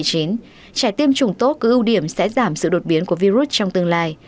trẻ tiêm chủng tốt cứ ưu điểm sẽ giảm sự đột biến của virus trong tương lai